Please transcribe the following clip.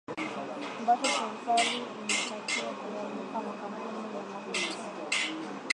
ambacho serikali inatakiwa kuyalipa makampuni ya mafuta